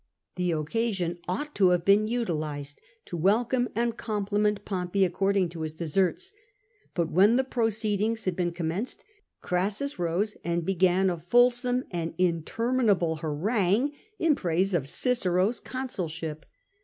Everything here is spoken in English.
The occasion ought to have been utilised to welcome and oono pliment Pompey according to his deserts. But when the proceedings had been commenced, Crassus rose and began a fulsome and inter minable harangue in praise of Cicero's consulship.